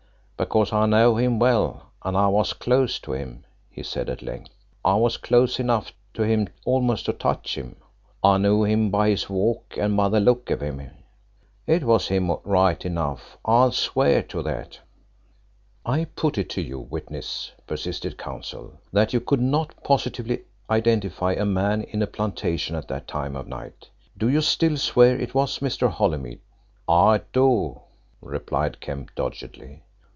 "Because I know him well and I was close to him," he said at length. "I was close enough to him almost to touch him. I knew him by his walk, and by the look of him. It was him right enough, I'll swear to that." "I put it to you, witness," persisted Counsel, "that you could not positively identify a man in a plantation at that time of night. Do you still swear it was Mr. Holymead?" "I do," replied Kemp doggedly.